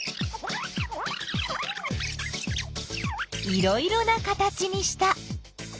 いろいろな形にした。